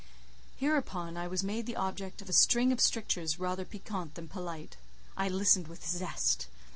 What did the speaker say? Hereupon I was made the object of a string of strictures rather piquant than polite. I listened with zest.